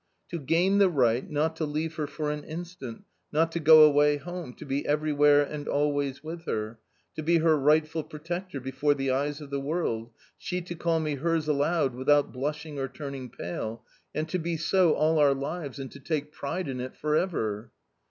"To gain the right, not to leave her for an instant, not to go away home — to be everywhere and always with her. To be her rightful protector before the eyes of the world .... she to call me hers aloud, without blushing or turning pale .... and to be so all our lives, and to take pride in it for ever."